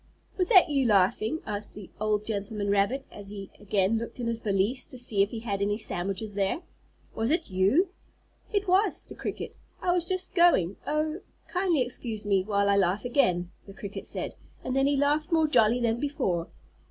"Was that you laughing?" asked the old gentleman rabbit, as he again looked in his valise to see if he had any sandwiches there. "Was it you?" "It was," said the cricket. "I was just going Oh, kindly excuse me, while I laugh again!" the cricket said, and then he laughed more jolly than before.